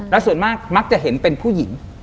และสุดมากจะเห็นเป็นผู้หญิง